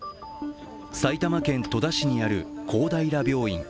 埼玉県戸田市にある公平病院。